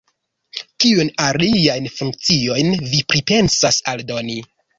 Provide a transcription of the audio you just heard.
Kiujn aliajn funkciojn vi pripensas aldoni?